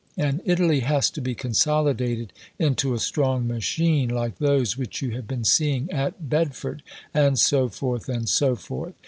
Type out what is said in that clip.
And Italy has to be consolidated into a strong machine, like those which you have been seeing at Bedford," and so forth, and so forth.